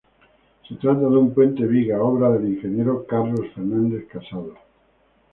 Se trata de un puente viga, obra del ingeniero Carlos Fernández Casado.